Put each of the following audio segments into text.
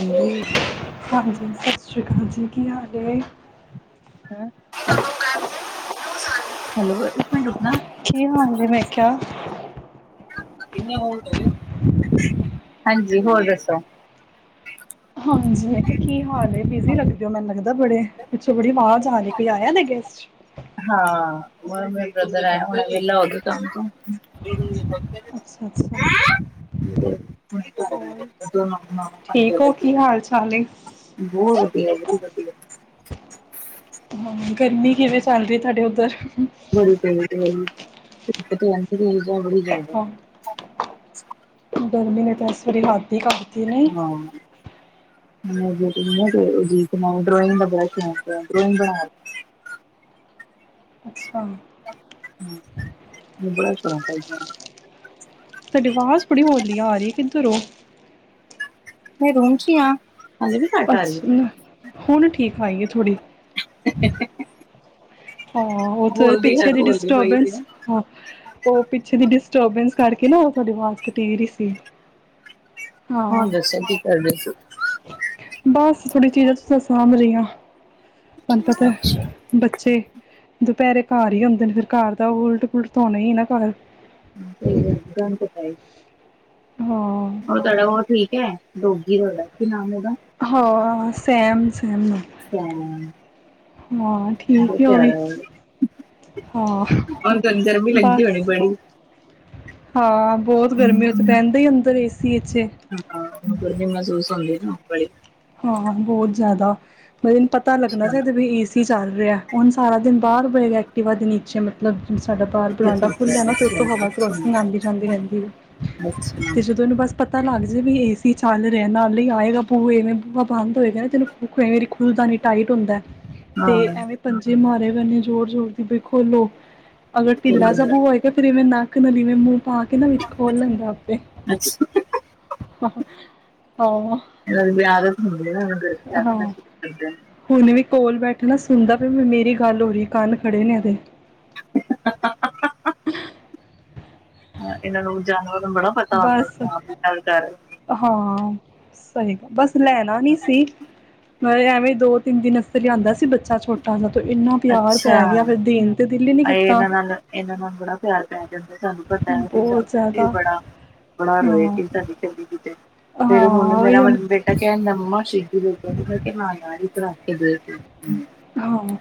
ਹਾਂਜੀ ਹਾਂਜੀ ਸਤਿ ਸ਼੍ਰੀ ਅਕਾਲ ਜੀ ਕੀ ਹਾਲ ਹੈ। ਹੈਲੋ ਇੱਕ ਮਿੰਟ ਰੁਕਨਾ ਕੀ ਹਾਲ ਜ ਮੈਂ ਕਿਹਾਿਆ ਹਾਂਜੀ। ਹੋਰ। ਦੱਸੋ। ਹਾਂਜੀ ਮੈਂ ਕਿਹਾ ਕੀ ਹਾਲ ਹੈ ਬਿਜ਼ੀ ਲੱਗਦੇ ਹੋ। ਮੈਨੂੰ ਲੱਗਦਾ ਪਿੱਛੋਂ ਬੜੀ ਆਵਾਜ਼ ਆ ਰਹੀ ਹ ਆਇਆ ਹੋਇਆ ਕੋਈ ਗੈਸਟ। ਹਾਂ ਵੇਲਾ ਹੋ ਗਿਆ ਟਾਈਮ ਨਾਲ ਅੱਛਾ ਅੱਛਾ [unintelligible] ਬਹੁਤ ਹੋਰ ਠੀਕ ਹੋ ਕੀ ਹਾਲ ਚਾਲ ਏ? ਵਧੀਆ ਬਹੁਤ ਵਧੀਆ ਹਾਂ ਗਰਮੀ ਕਿਵੇਂ ਚੱਲ ਰਹੀ ਤੁਹਾਡੇ ਉੱਧਰ ਬੜੀ ਪੀ ਬੜੀ ਜਾ [unintelligible] ਗਰਮੀ ਨੇ ਤਾਂ ਸਵੇਰੇ ਰਾਤੀ ਕਮ ਹਾਂ ਮੇਰੀ ਬੇਟੀ ਡ੍ਰੋਇਗ ਦਾ ਬਹੁਤ ਸ਼ੌਂਕ ਹੈ ਡ੍ਰੋਇਗ ਬਣਾ ਅੱਛਾ ਬੜਾ ਸਿੰਕ ਹੈ ਇਹਨੂੰ ਤੂੰਹਾਡੀ ਆਵਾਜ਼ ਬੜੀ ਹੋਲੀ ਆ ਰਹੀ ਹੈ ਕਿੱਧਰ ਹੋ ਮੈਂ ਰੂਮ ਚ ਹੀ ਹਾਂ ਹਜੇ ਵੀ ਘੱਟ ਆ ਅੱਛ ਰਹੀ ਨਾ ਹੁਣ ਠੀਕ ਆਈ ਹੈ ਥੋੜ੍ਹੀ ਆਹ ਉਹਥ ਬੋਲਦੀ ਹੈ ਪਿੱਛੇ ਦੀ ਬੋਲਦੀ ਪਈ ਸੀ ਡਿਸਟਰਬੈਂਸ ਹਾਂ ਉਹ ਪਿੱਛੇ ਦੀ ਡਿਸਟਰਬੈਂਸ ਕਰਕੇ ਨਾ ਉਹ ਤੁਹਾਡੀ ਆਵਾਜ਼ ਕਤੇਰੀ ਰਹੀ ਸੀ ਹਾਂ ਦਸੋਕੀ ਕਰ ਰਹੇ ਸੀ ਬਸ ਥੋੜੀ ਚੀਜ਼ਾਂ ਸਾਂਭ ਰਹੀਆਂ ਤੁਹਾਨੂੰ ਪਤਾ ਅੱਛਾ ਬੱਚੇ ਦੁਪਹਿਰੇ ਘਰ ਹੀ ਆਉਂਦੇ ਨੇ ਫਿਰ ਘਰ ਦਾ ਉਹ ਉਲਟ ਉਲਟ ਆਉਣੇ ਹੀ ਨਾ ਘਰ ਹਾਂ ਸਹੀ ਗੱਲ ਕੌਣ ਪਕਾਏ ਹਾਂ ਉਹ ਤੁਹਾਡਾ ਬਹੁਤ ਠੀਕ ਹੈ ਡੋਗੀ ਤੁਹਾਡਾ ਕੀ ਨਾਮ ਉਹਦਾ ਹ ਸੈਮ ਸੈਮ ਸੈਮ ਹਾਂ ਠੀਕ ਬਹੁਤ ਉਹ ਵੀ ਪਿਆਰਾ ਹਾਂ ਹੁਣ ਤੁਹਾਨੂੰ ਗਰਮੀ ਲੱਗਦੀ ਬਸ ਹੋਣੀ ਬੜੀ ਹਾਂ ਬਹੁਤ ਗਰਮੀ ਉਥ ਬਹਿੰਦਾ ਹੀ ਅੰਦਰ ਏ ਸੀ ਵਿਚੇ ਹਾਂ ਗਰਮੀ ਮਹਿਸੂਸ ਹੁੰਦੀ ਬੜੀ ਹਾਂ ਬਹੁਤ ਜ਼ਿਆਦਾ ਮਤਲਬਨੂੰ ਪਤਾ ਲੱਗ ਨਾ ਅੱਛਾ ਚਦਾ ਵੀ ਏਸ ਚੱਲ ਰਿਹਾ ਹੁਣ ਸਾਰਾ ਦਿਨ ਬਾਹਰ ਬੜੇ ਐਕਟਿਵਾ ਦਿ ਨਚੇ ਮਤਲਬ ਜਿ ਸਾਡਾ ਬਾਹਰ ਬਲਾਂਡਾ ਅੱਛਾ ਖੁੱਲ੍ਹਿਆ ਨਾ ਅਤੇ ਅੱਛਾ ਉੱਥੋਂ ਹਵਾ ਅੱਛਾ ਕਰੋਸਿੰਗ ਆਉਂਦੀ ਜਾਂਦੀ ਰਹਿੰਦੀ ਹੈ ਅੱਛਾ ਤੇ ਜਦੋਂ ਇਹਨੂੰ ਬਸ ਪਤਾ ਲੱਗ ਜਾਏ ਵੀ ਏਸੀ ਚੱਲ ਰਿਹਾ ਨਾਲ ਹੀ ਆਏਗਾ ਭੂ ਐਵੇਂ ਬੰਦ ਹੋਏਗਾ ਨਾ ਤੈਨੂੰ ਵਾਰੀ ਖੁਲਦਾ ਨੀ ਟਾਈਟ ਹੁੰਦਾ ਤੇ ਹਾਂ ਐਵੇਂ ਪੰਜੇ ਮਾਰੇ ਗ ਜ਼ ਜੋਰ ਜੋੋਰ ਦੀ ਵੀ ਖੋਲੋ ਅਗਰ ਢਿੱਲਾ ਸ ਬੂ ਤੇ ਫੇਿਰ ਇਵੇਂ ਨੱਕ ਨਾਲਦੀਿਵੇਂ ਮੂੰਹ ਪਾ ਕੇ ਨਾ ਵਿੱਚ ਖੋਲ ਲੈਂਦਾ ਆਪੇ ਅੱਛਾ ਹਾਂ। ਕਈ ਦੀ ਆਦਤ ਹੁੰਦੀ ਐ ਨਾ [unintelligible] ਸੁਤੀ ਦੀ ਆਂ। ਹੁਨੇ ਵੀ ਕੋਲ ਬੈਠਾ ਨਾ ਸੁਨਦਾ ਪੇਆ ਵੀ ਮੇਰੀ ਗੱਲ ਹੋ ਰੀ, ਕੰਨ ਖੜੇ ਨੇ ਏਦੇ। [unintelligible] ਅ ਇਹਨਾਂ ਨੂੰ ਜਾਨਵਰ ਨੂੰ ਬੜਾ ਪਤਾ ਹੁੰਦਾ ਬਸ ਕੀ ਆਪ ਗੱਲ ਕਰ ਨੇ। ਹਾਂ ਸਹੀ ਗ ਬਸ ਲੈਣਾ ਨੀ ਸੀ ਮ ਐਵੇਂ ਦੋ ਤਿੰਨ ਦਿਨ ਅਸਤਰ ਲਦਾ ਸੀ ਬੱਚਾ ਛੋਟਾ ਸਾ ਇੰਨਾ ਪਿਆਰ ਪੈ ਗਿਆ ਫਿਰ ਦੇਣ ਤੇ ਦਿਲ ਹੀ ਨਹੀਂ ਇਹਨ ਕੀਤਾ ਇਹਨਾਂੰ ਗੂੜ ਪਿਆਰ ਪੈ ਜਾਂਦੇ ਸਾਨੂੰ ਪਤਾ ਸੀ ਬਹੁਤ ਜ਼ਿਆਦਾ ਸਾਨੂੰ ਬੜਾ ਬਣਾ ਰੋਏ ਹਾਂ ਸੀ ਸਾਡੀ ਚਲੀ ਕਿਤੇ ਹਾਂ ਫੇਿਰ ਹੁਣ ਉਹੀ ਮੇਰਾ ਬੇਟਾ ਕਹਿਦਾ ਮੰਮਾ ਸ਼ਹਿਦੀ ਗੁਰਪੁਰਬ ਤੇ ਮੈਂ ਆਰੀ ਰੱਖੀ ਦੇ ਹਮ ਹਾਂ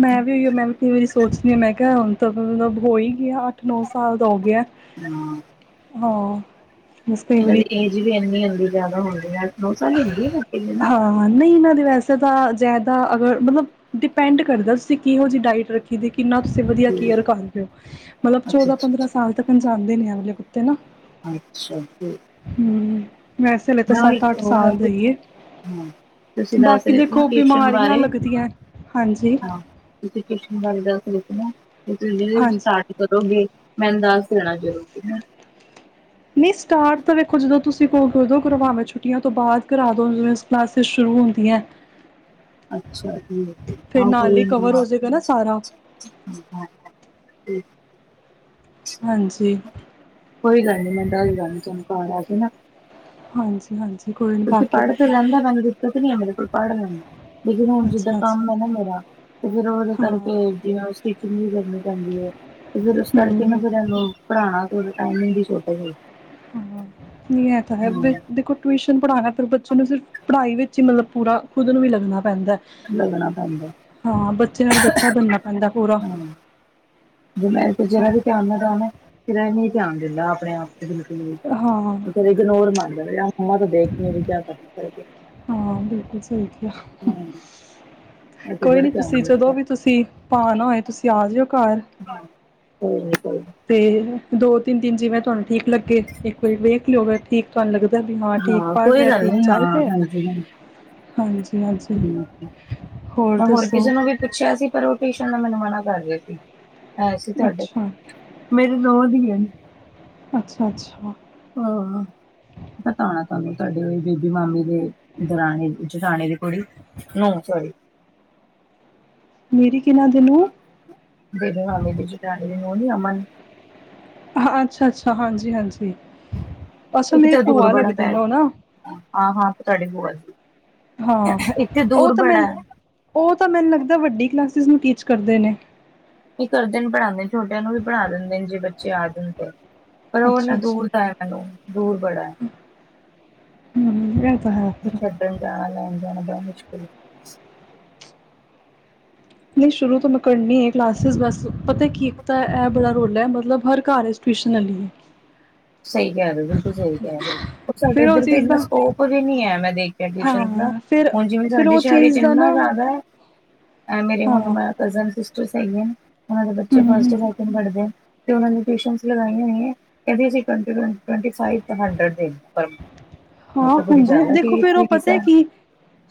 ਮੈਂ ਵੀ ਉਈ ਮੈਂ ਵੀ ਕਈ ਵਾਰੀ ਸੋਚਦੀ ਹਾਂ ਮੈਂ ਕਿਹਾ ਹੁਣ ਤਾਂ ਮਤਲਬ ਹੋ ਹੀ ਗਿਆ ਅੱਠ ਨੌ ਸਾਲ ਦਾ ਹੋ ਗਿਆ [unintelligible] ਹਾਂ ਬਸ ਕਈ ਇਹਨਾਂ ਦੀ ਵਾਰੀ ਏਜ ਵੀ ਇੰਨੀ ਹੁੰਦੀ ਜ਼ਿਆਦਾ ਹੁੰਦੀ ਹੈ ਅੱਠ ਨੋ ਸਾਲ ਹੁੰਦੀ ਨਾ ਦੀ ਹਾਂ, ਨਈ ਇਹਨਾਂ ਦੇ ਵੈਸੇ ਤਾਂ ਜ਼ਾਦਾ ਅਗਰ ਮਤਲਬ ਡਿਪੈਂਡ ਕਰਦਾ ਤੁਸੀਂ ਕਿਹੋ ਜੀ ਡਾਇਟ ਰੱਖੀ ਦੀ ਕਿੰਨਾ ਤੁਸੀਂ ਵਧੀਆ ਕੇਅਰ ਕਰ ਰੇ ਓ। ਮਲਬ ਅੱਛਾ ਚੌਦਾਂ, ਪੰਦਰਾਂ ਅੱਛਾ ਸਾਲ ਤੱਕਨ ਜਾਂਦੇ ਨੇ ਏਹ ਵਾਲੇ ਕੁੱਤੇ ਨਾ। ਅੱਛਾ ਜੀ। ਹੁੰ, ਵੈਸੇ ਹਾਲੇ ਤੇ ਸੱਤ, ਅੱਠ ਸਾਲ ਦਾ ਈ ਐ। ਹੁੰ, ਤੁਸੀਂ ਦੱਸ ਰੇ ਸੀ ਨਾ ਕਿਚਨ ਬਿਮਾਰੀਆਂ ਬਾਰੇ, ਲੱਗਦੀਆਂ ਹਾਂਜੀ ਹਾਂ। ਤੁਸੀਂ ਕਿਚਨ ਬਾਰੇ ਦੱਸ ਰੇ ਸੀ ਨਾ ਹਾਂਜੀ [unintelligible] ਕਰੋਗੀ, ਮੈਂਨੂੰ ਦੱਸ ਦੇਣਾ ਜ਼ਰੂਰੀ, ਹੈਂ। ਨੀ ਸਟਾਟ ਤਾਂ ਵੇਖੋ ਜਦੋਂ ਤੁਸੀਂ ਕੋਗੇ ਉਦੋਂ ਕਰਵਾਵੇਂ ਛੁੱਟੀਆਂ ਤੋਂ ਬਾਦ ਕਰਾਦੋ [unintelligible] ਕਲਾਸਿਸ ਸ਼ੁਰੂ ਹੁੰਦੀਆਂਐ। [inaudible] ਅੱਛਾ, ਠੀਕ ਐ, ਹਾ ਕੋਈ ਹੀ ਨੀ। ਕਵਰ ਹੋ ਜਾਏਗਾ ਨਾ ਸਾਰਾ [unintelligible] ਹਾਂਜੀ। ਕੋਈ ਗੱਲ ਨੀ, ਮੈਂ ਦੱਸ ਦਾਂਗੀ ਤੁਹਾਨੂੰ ਘਰ ਆ ਕੇ ਨਾ। ਹਾਂਜੀ-ਹਾਂਜੀ। ਕੁਛ ਪੜ ਤਾ ਲੈਂਦਾ [unintelligible] ਤ ਨੀ ਐ ਮੇਰੇ ਕੋਲ ਪੜ ਲੈਂਦਾ, ਲੇਕਿਨ ਹੁਨ ਜਿੱਦਾ ਅੱਛਾ ਅੱਛਾ ਕੰਮ ਐ ਨਾ ਮੇਰਾ, ਤੇ ਫੇਰ ਉਹਦੇ ਹਾਂ ਕਰਕੇ ਜਿਵੇਂ ਉਹ ਸਟਿਚਿੰਗ ਵੀ ਕਰਨੀ ਪੈਂਦੀ ਐ, ਤੇ ਫੇਰ ਉਸ ਕਰਕੇ ਨਾ ਹੂੰ ਏਹ ਲੋਗ ਪੜਾਨਾ ਥੋੜੇ ਟਾਈਮਿੰਗ ਦੀ ਸ਼ੋਰਟਏਜ ਐ। ਹਾਂ, ਨੀ ਐ ਤੇ ਹੈ, ਬ ਦੇਖੋ ਟਿਊਸ਼ਨ ਪੜਾਣਾ ਫੇਰ ਬੱਚੇ ਨੂੰ ਸਿਰਫ ਪੜ੍ਹਾਈ ਵਿੱਚ ਈ ਮਤਲਬ ਪੂਰਾ ਖੁਦ ਨੂੰ ਵੀ ਲੱਗਨਾ ਪੈਂਦਾਐ। ਲੱਗਨਾ ਪੈਂਦਾ। ਹਾਂ, ਬੱਚੇ ਨਾਲ ਬੱਚਾ ਬਨਨਾ ਪੈਂਦਾ ਪੂਰਾ। ਹਾਂ ਜੇ ਮੈਂ ਤੇ ਹਾਂ ਜਿਹੜਾ ਵੀ ਧਿਆਨ ਨਾ ਦਾ ਨਾ, ਫੇਰ ਏਹ ਨੀ ਧਿਆਨ ਦਿੰਦਾ ਆਪਣੇ ਆਪ ਤੇ ਬਿਲਕੁਲ ਵੀ। ਹਾਂ ਫੇਰ ਇਗਨੋਰ [unintelligible] ਮੰਮਾ ਤੋ ਦੇਖ ਨੀ ਰੀ। ਕਯਾ ਕਰਨਾ ਪਡ ਕੇ। ਹਾਂ ਬਿਲਕੁਲ ਸਈ ਕਯਾ। ਇਹ ਤੇ ਕੋਈ ਬੜਾ ਨੀ ਤੁਸੀਂ, ਧਿਆਨ ਜਦੋਂ ਦਿੰਦਾ ਵੀ ਤੁਸੀਂ ਆਨਾ ਹੋਏ ਤੁਸੀਂ ਆ ਜਓ ਘਾਰ। [unintelligible] ਕੋਈ ਨੀ-ਕੋਈ ਨੀ। ਤੇ ਦੋ ਤਿੰਨ ਦਿਨ ਜਿਵੇਂ ਤੁਹਾਨੂੰ ਠੀਕ ਲੱਗੇ। ਇੱਕ ਵਾਰੀ ਵੇਖ ਲਿਓ ਅਗਰ ਠੀਕ ਤੁਹਾਨੂੰ ਲੱਗਦਾ ਬੀ ਮਾ ਠੀਕ ਹਾਂ ਪੜ ਕੋਈ ਰਿਹਾ, ਗੱਲ ਠੀਕ ਨੀ ਹਾਂ ਚੱਲ ਰਿਹਾ। ਹਾਂਜੀ ਹਾਂਜੀ ਹਾਂਜੀ-ਹਾਂਜੀ, ਠੀਕ ਆ। ਹੋਰ ਮੈਂ ਦੱਸੋ। ਕਿਸੇ ਨੂੰ ਵੀ ਪੁੱਛਿਆ ਸੀ ਪਰ ਓ ਟੂਇਸ਼ਨ ਮੈਨੂੰ ਮਨਾ ਕਰ ਰੇ ਸੀ। ਹੈ ਸੀ ਤੁਹਾਡੇ ਅੱਛਾ ਮੇਰੀ ਨੋ ਦੀਆਂ ਨੇ। ਅੱਛਾ-ਅੱਛਾ। ਅ, ਹਾਂ। ਪਤਾ ਹੋਣਾ ਤੁਹਾਨੂੰ ਤੁਹਾਡੇ ਬੇਬੀ ਮਾਮੀ ਦੇ ਦਰਾਨੇ ਜਟਾਨੀ ਦੀ ਕੁੜੀ। ਨ ਸਰੀ [unintelligible] ਮੇਰੀ ਕਿਹਨਾਂ ਦਿਨੂੰ ਦੇਨ ਹ ਦੇ ਚ ਟੈ ਦਿ ਨੂੰ ਉਹ ਨ ਅਮਨ ਹਾ ਅੱਛਾ-ਅੱਛਾ, ਹਾਂਜੀ-ਹਾਂਜੀ। ਅੱਛਾ, ਮੇਰੀ ਪੁਆ ਲੱਗਦੇ ਓ ਨਾ। ਅ ਆਂ, ਹਾਂ ਤਾਡੇ ਪੁਆ ਜੀ, ਹਾਂ ਇਕ ਤੇ ਉਹ ਦੂਰ ਤਾਂ ਮੈਂ ਬੜਾਏ। ਉਹ ਤਾ ਮੈਨੂੰ ਲੱਗਦਾ ਵੱਡੀ ਕਲਾਸਿਸ ਨੂੰ ਟੀਚ ਕਰਦੇ ਨੇ। ਵੀ ਕਰਦੇ ਨੇ ਪੜਾਨਦੇ, ਛੋਟਿਆਂ ਨੂੰ ਵੀ ਪੜ੍ਹਾ ਦਿੰਦੇ ਨੇ ਜੇ ਬੱਚੇ ਆ ਜਾਨ ਤੇ। ਪਰ ਉਹ ਅੱਛਾ ਇਨਾ ਅੱਛਾ ਦੂਰ ਦਾ ਹੈ ਮੈਨੂੰ, ਦੂਰ ਬੜਾਏ। ਹੁੰ, ਏ ਛੱਡਨ ਜਾਨਾ ਲੈਨ ਜਾਨਾ ਬੜਾ ਮੁਸ਼ਕਲ ਏ। ਨਈ ਸ਼ੁਰੂ ਤੋਂ ਮੈਂ ਕਰਨੀ ਐ ਕਲਾਸਿਸ, ਬਸ ਪਤਾ ਕੀ ਇੱਕ ਤਾਂ ਇਹ ਬੜਾ ਰੋਲ ਐ, ਮਤਲਬ ਹਰ ਘਰ ਐਚ ਟਊਸ਼ਨ ਆਲੀ ਹੇਗੀ। ਸਹੀ ਕਹਿ ਰਹੇ ਬਿਲਕੁਲ ਸਹੀ ਕਹਿ ਰਹੇ ਹੋ ਉਹ ਸਾਡੇ ਫਿਰ ਇੱਧਰ ਤੇ ਚੀਜ਼ ਇੰਨਾ ਦਾ ਸਕੋਪ ਵੀ ਨੀ ਹੈ ਮੈਂ ਦੇਖਿਆ ਟਿਊਸ਼ਨ ਦਾ ਹਾਂ ਫਿਰ ਹੁਣ ਜਿਵੇਂ ਫਿਰ ਸਾਡੇ ਉਹ ਸ਼ਹਿਰ ਚ ਚੀਜ਼ ਦਾ ਨਾ ਇੰਨਾ ਜ਼ਿਆਦਾ ਮੇਰੇ ਹਾਂ ਹੁਣ ਕਜ਼ਨ ਸਿਸਟਰ ਹੈਗੇ ਉਹਨਾਂ ਦੇ ਬੱਚੇ ਹਮ ਹਮ ਫਸਟਡ ਪੜਦੇ ਤੇ ਉਹ ਨੇ ਟਿਊਸ਼ਨ ਲਗਾਈਆਂ ਹੋਈਆਂ ਕਿੰਦੀ ਅਸੀਂ ਟਵੰਟੀ ਫਾਈਵ [unintelligible] ਮੈਂ ਹਾਂ ਕਿਹਾ ਬੜੀ ਹੁੰਦੇ ਜ਼ਿਆਦਾ ਦੇਖੋ ਫੇਰ ਉਹ ਫੀਸ ਪਤਾ ਹੈ ਕੀ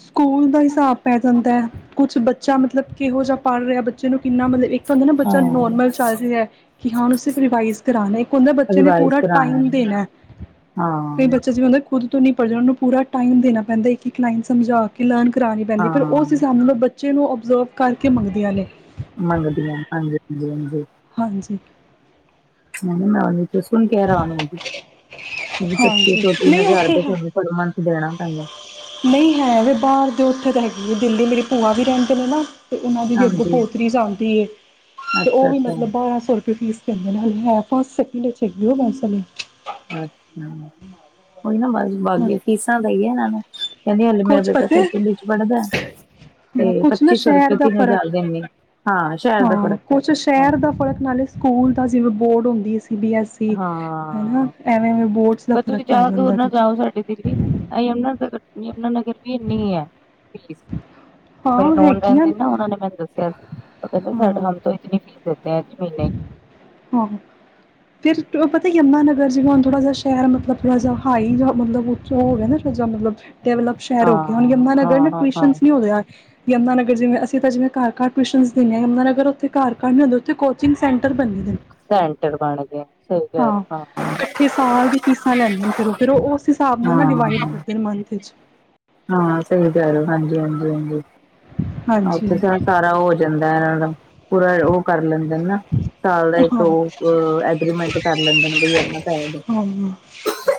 ਸਕੂਲ ਦਾ ਹਿਸਾਬ ਪੈ ਜਾਂਦਾ ਹੈ ਕੁਛ ਬੱਚਾ ਮਤਲਬ ਕਿਹੋ ਜਿਹਾ ਪੜ੍ਹ ਰਿਹਾ ਬੱਚੇ ਨੂੰ ਕਿੰਨਾ ਮਤਲਬ ਇੱਕ ਤਾਂ ਹੁੰਦਾ ਨਾ ਬੱਚਾ ਨੋਰਮਲ ਹਾਂ ਚੱਲ ਰਿਹਾ ਕਿ ਹਾਂਣੂੰ ਸਿਰਫ ਰਿਵਾਈਜ਼ ਕਰਾਣਾ ਉਹਦਾ ਬੱਚੇ ਨੇ ਰਿਵਾਈਜ਼ ਪੂਰਾ ਕਰਾਣਾ ਟਾਈਮ ਦੇਣਾ ਹਾਂ ਬੱਚਾ ਜਿਵੇਂ ਹੁੰਦਾ ਖੁਦ ਤੋਂ ਨਹੀਂ ਪੜ੍ਹਣਾ ਉਹ ਨੂੰ ਪੂਰਾ ਟਾਈਮ ਦੇਣਾ ਪੈਂਦਾ ਇੱਕ ਇੱਕ ਲਾਈਨ ਸਮਝਾ ਕੇ ਲਰਨ ਕਰਾਉਣੀ ਪੈਂਦੀ ਪਰ ਹਾਂ ਉਸ ਹਿਸਾਬ ਨਾਲ ਬੱਚ ਬੱਚੇ ਨੂੰ ਓਬਜ਼ਰਵ ਕਰਕੇ ਮੰਗਦੀਆਂ ਨੇ ਮੰਗਦੀਆਂ ਹਾਂਜੀ ਹਾਂ ਹਾਂਜੀ ਹਾਂਜੀ ਮੈਂ ਮੈਂ ਉਹ ਸੁ ਹੁਣ ਕਹਿ ਰ ਪੱਚੀ ਹਾਂਜੀ ਸੌ ਤਿੰਨ ਨਹੀਂ ਹਜ਼ਾਰ ਉੱਥੇ ਦੇ ਹੈ ਕੁਦ ਮੰੰਥ ਦੇਣਾ ਪੈਂਦਾ ਨਹੀਂ ਹੈ ਵੀ ਬਾਹਰ ਦੇ ਉੱਥੇ ਤਾਂ ਹੈਗੀ ਹੈ ਦਿੱਲੀ ਮੇਰੀ ਭੂਆ ਵੀ ਰਹਿੰਦੇ ਨੇ ਨਾ ਅਤੇ ਉਹਨਾਂ ਦੀ ਵੀ ਅੱਗ ਹਾਂਜੀ, ਪੋਤਰੀ ਆਦੀ ਹੈ ਅਤੇ ਉਹ ਵੀ ਅੱਛਾ-ਅੱਛਾ, ਮਤਲਬ ਬਾਰ੍ਹਾਂ ਸੌ ਰੁਪਏ ਫੀਸ ਦੇ ਨਾਲ ਹੈ ਫਸਟ ਸੈਕਿੰਡ ਚੇਗੇਓ ਮੈਂਸ ਨੇ ਅੱਛਾ ਉਹੀ ਨਾ ਬਸ ਬਾਕ ਹਾਂ ਫੀਸਾਂ ਦਾ ਹੀ ਆ ਇਹਨਾਂ ਨੂੰ ਕਹਿੰਦੀ ਹਾਲੇ ਮੇਰਾ ਕੁਛ ਬੇਟਾ ਪਤਾ ਹੈ ਸੈਕਿੰਡ ਚ ਪੜ੍ਹਦਾ ਤੇ ਹਾਂ ਕੁਛ ਨਾ ਪੱਚੀ ਸੌ ਸ਼ਹਿਰ ਰੁਪਏ ਦਾ ਕਿਨ ਫ਼ਰਕ ਜਲ ਦਿੰਦੇ ਹਾਂ ਸ਼ਹਿਰ ਦਾ ਹਾਂ ਪ੍ਰੋਡਕਟ ਪੈ ਕੁਛ ਜਾਂਦਾ ਸ਼ਹਿਰ ਦਾ ਹਾਂਜੀ [unintelligible] ਫ਼ਰਕ ਨਾਲੇ ਸਕੂਲ ਤਾਂ ਜਿਵੇਂ ਬੋਰਡ ਹੁੰਦੀ ਹੈ ਸੀ ਬੀ ਐੱਸ ਹਨਾ ਹਾਂ, ਐਵੇਂ ਐਵੇਂ ਬੋਰਡਸ ਦਾ ਫ਼ਰਕ ਪੈ ਜਾਂਦਾ ਕੁਛ ਤੁਹਾਡੀ ਡਿਗਰੀ ਯਮੁਨਾ ਨਗਰ ਯਮੁਾਨਗਰ ਵੀ ਇੰਨੀ ਹੈ ਫੀਸ ਮੜਰੇ ਹਾਂ ਨੋਨ ਹੈਗੀਆਂ ਰਹਿੰਦੇ ਨਾ ਉਹਨਾਂ ਨੇ ਮੈਨੂੰ ਦੱਸਿਆ ਸੀ ਉਹ ਕਹਿੰਦੇਡ ਹਾਂ ਹਮ ਤੋਂ ਇਤਨੀ ਫੀਸ ਦਿੱਤੇ ਆ ਜੀ ਮਹੀਨੇ [unintelligible] ਹਹੋ ਫਿਰ ਉਹ ਪਤਾ ਹੀ ਅੰਮਾ ਨਗਰ ਜੀ ਹਣ ਥੋੜਾ ਜਿ ਸ਼ਹਿਰ ਮਤਲਬ ਥੋੜਾ ਹਾਈ ਮਤਲਬ ਹੋ ਗਿਆ ਨਾ ਥੜਾ ਜਿ ਮਤਲਬ ਤੇ ਮਤਲਬ ਸ਼ਹਿਰ ਹਾਂ, ਹੋ ਗਿਆ ਹੁਣ ਯਮੁਨਾਾਨਗਰ ਨਾ ਹਾਂ, ਹਾਂ, ਹਾਂ। ਟਿਊਸ਼ਨ ਨ ਹੋਦੇ ਯਮਨਾ ਨਗਰ ਜਿਵੇਂਸੀਂ ਜਿਵੇਂ ਘਰਿਊਸ਼ਨਸਿੰਦੇ ਹਾਂ ਯਮਨਾ ਨਗਰ ਉੱਥ ਘਰ ਘਰ ਨ ਹੁੰਦੇ ਉਥ ਕੋ ਕੋਚਿੰਗ ਸੈਂਟਰ ਬਣੇ ਦੇ ਨੇ ਸੈਂਟਰ ਬਣ ਗਿਆ ਹਾਂ। [unintelligible] ਇਕੱਠੇ ਸਾਲ ਦੀ ਫੀਸਾਂ ਲੈਂਦੇ ਫਿਰਰ ਉਹ ਫਿਰ ਉਹ ਉਸ ਹਿਸਾਬ ਨਾਲ ਨਾ ਡਿਵਾਈਡ ਹਾਂ ਕਰਦੇ ਮੰਥ ਚ ਹਾਂ ਸਹੀ ਤ ਹਾਂਜੀ ਹਾਂਜੀ ਹਾਂ ਹਾਂਜੀ ਉੱਥੇ ਸਾਰਾ ਹੋ ਜਾਂਦਾ ਦਾ ਪੂਰਾ ਉਹ ਕਰ ਲੈਂਦੇ ਨਾ ਸਾਲ ਦਾ ਇੱਕ ਹਾਂ ਉਹ ਐਗਰੀਮੈਂਟ ਕਰ ਲੈਂਦੇ ਨੇ ਬਈ ਇਨਾ ਪੈ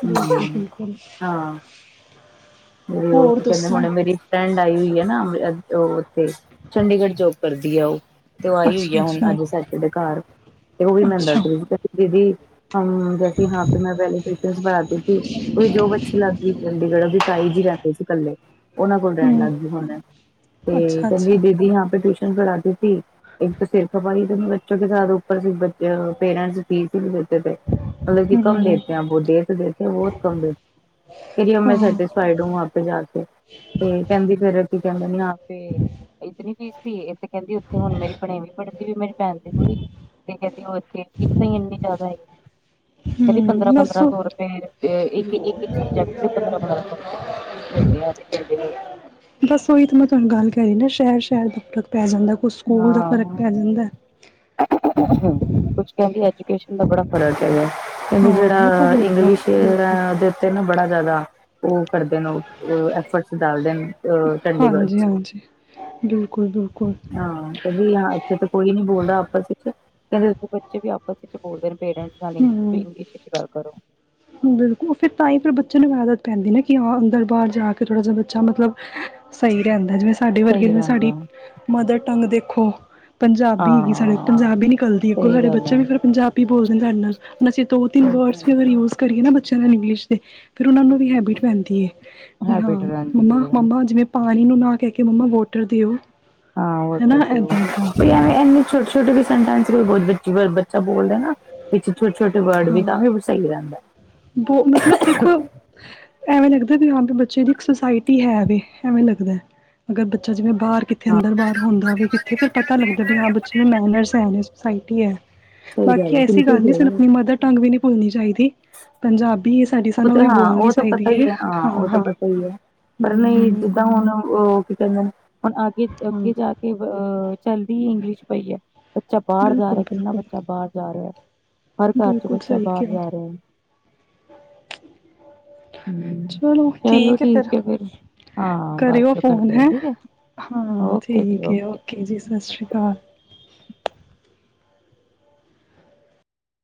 ਬਿਲਕੁਲ -ਬਿਲਕੁਲ। ਮੇਰੀ ਉਹ ਕਹਿੰਦੇ ਹੁਣੇ ਮੇਰੀ ਫਰੈਂਡ ਆਈ ਹੋਈ ਹੈ ਨਾ ਉੱਥੇ ਚੰਡੀਗੜ੍ਹ ਜੋਬ ਕਰਦੀ ਆ ਉਹ ਤੇ ਆਹੀ ਹੋਈ ਆ ਹੁਣ ਅੱਛਾ-ਅੱਛਾ ਅੱਜ ਸੱਚ ਦੇ ਘਰ ਤੇ ਉਹ ਵੀ ਮੈਂੂੰ ਅੱਛਾ ਦੱਸਦੀਦੀ ਦੀਦੀ ਹਮ ਜੈਸੇ ਹ ਪ ਮੈਂ ਪਹਿਲੇ ਕ੍ਰਮਸ ਪੜ੍ਹਾਤੀ ਸੀੀ ਉਹਦੀ ਜੋ ਬੱਚੀ ਲੱਗ ਗਈ ਚੰਡੀਗੜ੍ਹ ਅਦੀ ਸਤਾਈ ਜੀ ਰਹਿੰਦੇ ਸੀ ਕੱਲੇ ਉਹਨਾਂ ਕੋਲ ਰਹਿਣ ਹੂੰ ਲੱਗ ਗਏ ਹੋਣਾ ਤੇ ਕੰਿੰਰੀ ਅੱਛਾ-ਅੱਛਾ ਦੀਦੀ ਪੇ ਟਿਊਸ਼ਨ ਪੜ੍ਹਾਤੀ ਸੀ ਇੱਕ ਤਾਂ ਸਿਰ ਖਪਾਈ ਥੀ ਬੱਚੋ ਕੇ ਸਾਥ ਬ ਪੇਰੈਂਟ ਫੀ ਸੀ ਬ ਤੇ ਮਤਲਬ ਕੰਮ ਹੂੰ ਦੇਤੇ ਬਹੁਤ ਕੰਦੇਓ ਮੈਂ ਹਾਂ। ਸਾਡੇ [unintelligible] ਸਾਈਡ ਆਪੇ ਜਾ ਕੇ ਤੇ ਕਹਿੰਦੀ ਫੇ ਕੀ ਕਹਿੰਦਾ ਨੀ ਆਪੇ ਇ ਤੇ ਨੀ ਇਹ ਤੇ ਕਹਿੰਦੀ ਉੱਥੇ ਹੁਣ ਮੇਰੀ ਭਣੇਵੀ ਪੜ੍ਹਦੀ ਵੀ ਮੇਰੀ ਭੈਣ ਦੀ ਕੁੜੀ ਤੇ ਕਹਿੰਦੇ ਉੱਥੇ ਇਸ ਤ ਹੀ ਇੰਨੀ ਜ਼ਿਆਦਾ ਹੈਗੀ ਕਹਿੰਦੀ ਹੂੰ ਪੰਦਰਾਂ ਬਸ ਪੰਦਰਾਂ ਸੌ ਰੁਪਏ ਇਕ ਸਬਜੈਕਟ ਦੇ ਪੰਦਰਾਂ ਪੰਦਰਾਂ ਸੌ ਰੁਪ ਦਿੰਦੇ ਅਸੀ ਚੰਡੀਗੜ੍ਹ ਚ ਬਸ ਉਹੀ ਤਾਂ ਮੈਂ ਤੁਹਾਨੂੰ ਗੱਲ ਕਹਿ ਰਹੀ ਨਾ ਸ਼ਹਿਰ- ਸ਼ਹਿਰ ਤੱਕ ਪੈ ਜਾਂਦਾ ਕੁਛ ਸਕੂਲ ਦਾ ਫ਼ਰਕ ਹਾਂ ਪੈ ਜਾਂਦਾ। ਕੁਛ ਕਹਿੰਦੀ, ਐਜੂਕੇਸ਼ਨ ਦਾ ਬੜਾ ਫਰਕ ਹੈਗਾ ਹਾਂ ਕਹਿੰਦੀ ਉਹ ਤਾਂ ਜਿਹੜਾ ਹੁੰਦਾ ਹੈ ਇੰਗਲਿਸ਼ ਬਿਲਕੁਲ ਦੇ ਤੇ ਨਾ ਬੜਾ ਜ਼ਿਆਦਾ ਉਹ ਕਰਦੇ ਨੇ, ਐਫਰਟਸ ਡਾਲਦੇ ਅ ਚੰਡੀਗੜ੍ਹ ਹਾਂਜੀ ਚ ਹਾਂਜੀ ਬਿਲਕੁਲ- ਬਿਲਕੁਲ ਹਾਂ ਕਹਿੰਦੀ ਹਾਂ ਇੱਥੇ ਤਾਂ ਕੋਈ ਨੀ ਬੋਲਦਾ ਆਪਸ ਵਿੱਚ ਕਹਿੰਦੇ ਉਥੇ ਬੱਚੇ ਵੀ ਬੋਲਦੇ ਪੇਰੈਂਟਸ ਨਾਲ ਹੂੰ ਇੰਗਲਿਸ਼ ਵਿੱਚ ਗੱਲ ਕਰੋ ਬਿਲਕੁਲ ਫਿਰ ਤਾਂ ਹੀ ਫਿਰ ਬੱਚੇ ਨੂੰ ਆਦਤ ਪੈਂਦੀ ਨਾ ਕਿ ਹਾਂ ਅੰਦਰ ਬਾਹਰ ਜਾ ਕੇ ਥੋੜ੍ਹਾ ਜਿਹਾ ਬੱਚਾ ਮਤਲਬ ਸਹੀ ਗੱਲ ਜਿਵੇਂ ਸਾਡੇ ਵਰਗੇ ਸਹੀ ਜਿਵੇਂ ਰਹਿੰਦਾ ਸਾਡੀ ਹੈ। ਮਦਰ ਟੰਗ ਦੇਖੋ ਪੰਜਾਬੀ ਹੈਗੀ ਸਾਡੇ ਹਾਂ ਪੰਜਾਬੀ ਨਿਕਲਦੀ, ਅੱਗੋਂ ਸਹੀ ਸਾਡੇ ਗੱਲ ਬੱਚੇ ਆ ਵੀ ਫਿਰ ਪੰਜਾਬੀ ਬੋਲਦੇ ਨੇ ਸਾਡੇ ਨਾਲ ਬੱਚੇ ਦੋ ਤੀਨ ਵਰਡ ਵੀ ਅਗਰ ਯੂ ਕਰੀਏ ਨਾ ਬੱਚਿਆਂ ਦੇ ਇੰਗਲਿਸ਼ ਦੇ ਫਿਰ ਉਹਨਾਂ ਨੂੰ ਵੀ ਹੈਬਿਟ ਪੈਂਦੀ ਹੈ। ਵੀ ਹਾਂ, ਹੈਬਿਟ ਰਹਿੰਦੀ ਮੰਮਾ- ਹੈ ਮੰਮਾ ਜਿਵੇਂ ਪਾਣੀ ਨੂੰ ਨਾ ਕਹਿ ਕੇ ਮੰਮਾ ਵਾਟਰ ਦਿਓ ਹਨਾ ਇੱਦਾਂ ਇੱਦਾਂ ਇੰਨੀ ਛੋਟੇ -ਛੋਟੇ ਸਟੈੰਸ ਬੱਚਾ ਬੋਲਦੇ ਨਾ ਵਿੱਚ ਛੋਟੇ ਛੋਟੇ ਵਰਡ ਵੀ ਹਾਂ ਤਾਂ ਵੀ ਸਹੀ ਗੱਲ ਆ। ਬਹੁ ਮਤਲਬ ਦੇਖੋ ਐਵੇਂ ਲੱਗਦਾ ਵੀ ਹਾਂ ਵੀ ਬੱਚੇ ਦੀ ਇੱਕ ਸੁਸਾਇਟੀ ਹੈ ਵ ਐਵੇਂ ਲੱਗਦਾ, ਅਗਰ ਬੱਚਾ ਜਿਵੇਂ ਬਾਹਰ ਕਿੱਥੇ ਹਾਂ ਅੰਦਰ ਬਾਹਰ ਹੁੰਦਾ ਵੀ ਕਿੱਥੇ ਫਿਰ ਪਤਾ ਲੱਗਦਾ ਵੀ ਹਾਂ ਬੱਚੇ ਨੂੰ ਮੈਨਰਸ ਹੈ ਨੇ ਸੁਸਾਇਟੀ ਹੈ। ਸਹੀ ਬਾਕੀ ਹੈ, ਐਸੀ ਬਿਲਕੁਲ ਗੱਲ ਨੀ ਸਾਨੂੰ ਸਹੀ ਆਪਣੀ ਮਦਰ ਟੰਗ ਵੀ ਨਹੀ ਭੁੱਲਣੀ ਚਾਹੀਦੀ ਪੰਜਾਬੀ ਸਾਡੀ ਉਹ ਸਾਨੂੰ ਤੇ ਵੀ ਹਾਂ ਬੋਲਣੀ ਉਹ ਤਾਂ ਪਤਾ ਚਾਹੀਦੀ ਹੀ ਹੈ ਹਾਂ ਉਹ ਤਾਂ ਪਤਾ ਹੀ ਹੈ ਪਰ ਬਿਲਕੁਲ ਨਹੀਂ ਜਿੱਦਾਂ ਬਿਲਕੁਲ ਹਾਂ ਹੁਣ ਉਹ ਕੀ ਕਹਿੰਦੇ ਹੁਣ ਅਗੇ -ਅੱਗੇ ਜਾ ਕੇ ਅਹ ਚੱਲਦੀ ਹੀ ਇੰਗਲਿਸ਼ ਪਈ ਹੈ ਬੱਚਾ ਬਾਹਰ ਜਾ ਰਿਹਾ, ਬਿਲਕੁਲ ਕਿੰਨਾ ਬਿਲਕੁਲ ਬੱਚਾ ਬਾਹਰ ਜਾ ਰਿਹਾ, ਹਰ ਘਰ ਚ ਬਿਲਕੁਲ ਬੱਚਾ ਸਹੀ ਬਾਹਰ ਕਿਹਾ। ਜਾ ਰਿਹਾ ਹਮ ਚਲੋ ਚਲੋ ਠੀਕ ਆ ਫਿਰ ਹੈ ਹਾਂ ਬਾਅਦ ਕਰਿਓ ਚੋਂ ਫੋਨ ਕਰਦੇ ਆ ਹੈ, ਠੀਕ ਹਾਂ ਓਕੇ ਜੀ ਠੀਕ ਹੈ ਓਕੇ ਜੀ ਸਤਿ ਸ਼੍ਰੀ ਅਕਾਲ